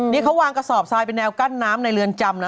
นี่เขาวางกระสอบทรายเป็นแนวกั้นน้ำในเรือนจำนะ